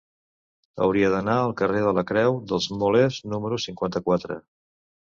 Hauria d'anar al carrer de la Creu dels Molers número cinquanta-quatre.